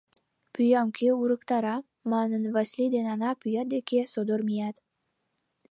— Пӱям кӧ урыктара? — манын, Васлий ден Ана пӱя деке содор мият.